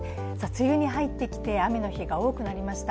梅雨に入ってきて雨の日が多くなってきました。